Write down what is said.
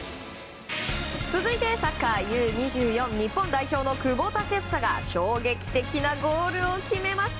続いてサッカーＵ‐２４日本代表の久保建英が衝撃的なゴールを決めました。